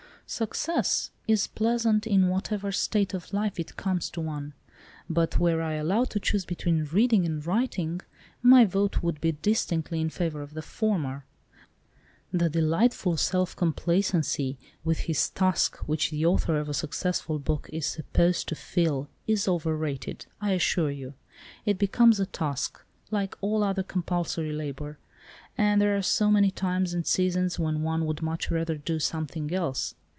"Success is pleasant in whatever state of life it comes to one, but were I allowed to choose between reading and writing, my vote would be distinctly in favour of the former. The delightful self complacency with his task which the author of a successful book is supposed to feel is over rated, I assure you. It becomes a task, like all other compulsory labour, and there are so many times and seasons when one would much rather do something else.